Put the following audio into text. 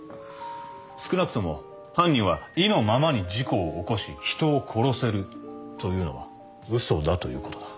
少なくとも犯人は意のままに事故を起こし人を殺せるというのは嘘だということだ。